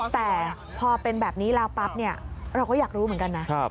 แต่พอเป็นแบบนี้แล้วปั๊บเนี่ยเราก็อยากรู้เหมือนกันนะ